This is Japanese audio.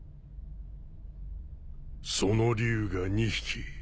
その龍が２匹。